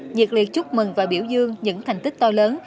nhiệt liệt chúc mừng và biểu dương những thành tích to lớn